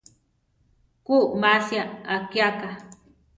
Ku masia akíaka.